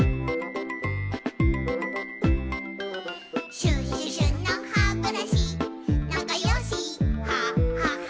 「シュシュシュのハブラシなかよしハハハ」